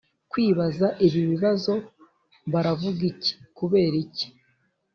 kwibaza ibi bibazo: baravuga iki? kubera iki?